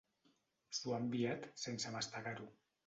S'ho ha enviat sense mastegar-ho.